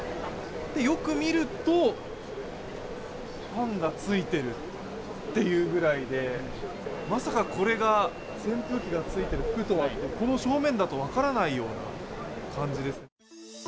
よく見ると、ファンがついているというくらいで、まさかこれが、扇風機がついている服とはってこの正面だと分からないような感じです。